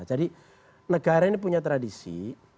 jadi negara ini punya tradisi